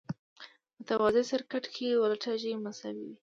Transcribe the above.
متوازي سرکټ کې ولټاژ مساوي وي.